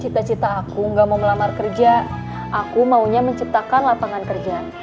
cita cita aku gak mau melamar kerja aku maunya menciptakan lapangan kerja